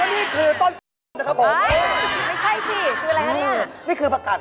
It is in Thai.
และนี้คือต้น